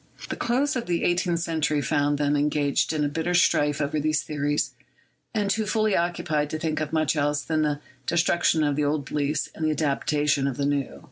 The close of the eighteenth century found them engaged in bitter strife over these theories, and too fully occupied to think of much else than the destruction of the old beliefs and the adaptation of the new.